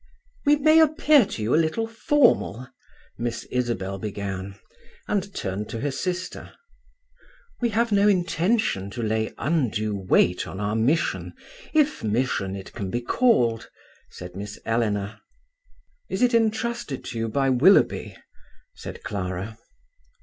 "We may appear to you a little formal," Miss Isabel began, and turned to her sister. "We have no intention to lay undue weight on our mission, if mission it can be called," said Miss Eleanor. "Is it entrusted to you by Willoughby?" said Clara.